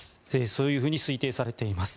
そういうふうに推定されています。